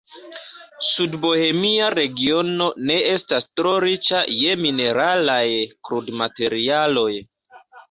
Sudbohemia Regiono ne estas tro riĉa je mineralaj krudmaterialoj.